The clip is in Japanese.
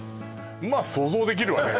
まあ想像できるわね